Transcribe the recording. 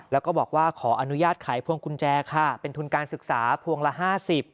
แล้วก็บอกว่าขออนุญาตขายพวงกุญแจค่ะเป็นทุนการศึกษาพวงละห้าสิบ